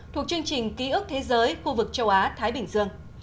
thuộc chương trình ký ức thế giới khu vực châu á thái bình dương